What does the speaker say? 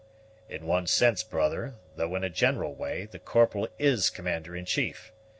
"In one sense, brother, though in a general way, the Corporal is commander in chief.